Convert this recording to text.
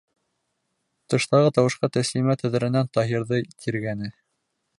Тыштағы тауышҡа Тәслимә тәҙрәнән Таһирҙы тиргәне: